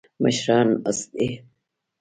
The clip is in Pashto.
مشران ناست دي.